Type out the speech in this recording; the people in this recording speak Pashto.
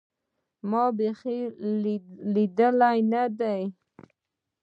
ما بيخي ليدلى نه دى.